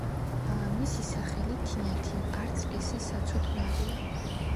მისი სახელი - თინათინ, არც ესე საცოდნარია